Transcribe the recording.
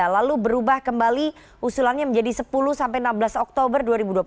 lalu berubah kembali usulannya menjadi sepuluh sampai enam belas oktober dua ribu dua puluh tiga